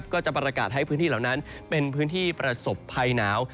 ก็จะประกาศให้พื้นที่เหล่านั้นเป็นพื้นที่ประสบภัยหนาว